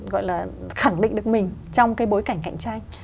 gọi là khẳng định được mình trong cái bối cảnh cạnh tranh